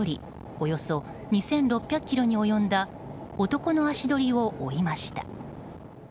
およそ２６００ｋｍに及んだ男の足取りを追いました。